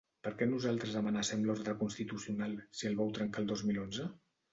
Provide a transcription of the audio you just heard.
“Per què nosaltres amenacem l’ordre constitucional si el vau trencar el dos mil onze?”